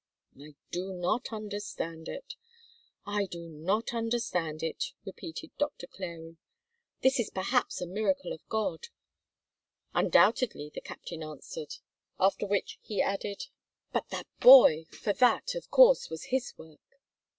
"I do not understand it, I do not understand it," repeated Doctor Clary; "this is perhaps a miracle of God." "Undoubtedly," the captain answered. After which he added: "But that boy! For that, of course, was his work."